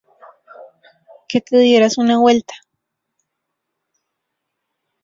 que te dieras una vuelta